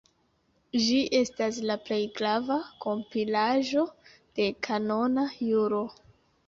Ĝi estas la plej grava kompilaĵo de kanona juro.